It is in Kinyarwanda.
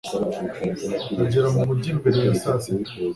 bagera mu mujyi mbere ya saa sita